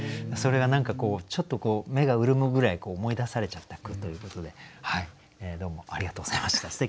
それが何かこうちょっとこう目が潤むぐらい思い出されちゃった句ということではいどうもありがとうございました。